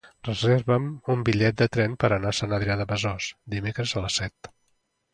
Reserva'm un bitllet de tren per anar a Sant Adrià de Besòs dimecres a les set.